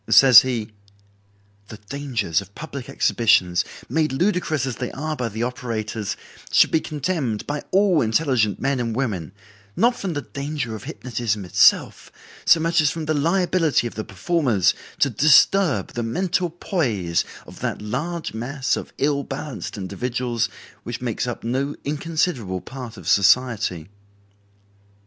Says he: "The dangers of public exhibitions, made ludicrous as they are by the operators, should be condemned by all intelligent men and women, not from the danger of hypnotism itself so much as from the liability of the performers to disturb the mental poise of that large mass of ill balanced individuals which makes up no inconsiderable part of society."